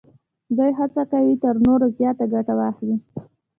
دوی هڅه کوي تر نورو زیاته ګټه واخلي